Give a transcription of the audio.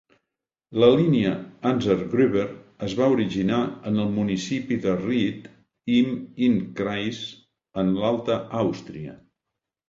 La línia Anzengruber es va originar en el municipi de Ried im Innkreis, en l'Alta Àustria.